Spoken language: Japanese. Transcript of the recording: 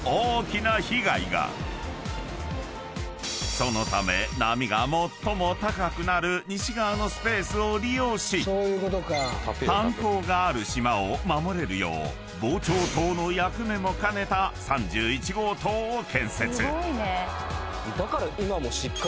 ［そのため波が最も高くなる西側のスペースを利用し炭鉱がある島を守れるよう防潮棟の役目も兼ねた３１号棟を建設］